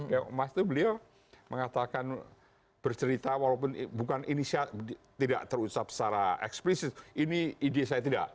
keong emas itu beliau mengatakan bercerita walaupun bukan ini saya tidak terucap secara eksplisit ini ide saya tidak